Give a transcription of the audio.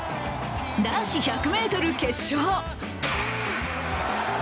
男子１００ｍ決勝。